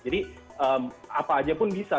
jadi apa aja pun bisa